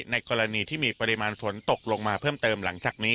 ในเวลาที่มีปริมันฝนตกมาเนื่องจากนี้